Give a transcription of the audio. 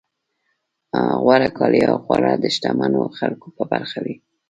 غوره کالي او خواړه د شتمنو خلکو په برخه وي.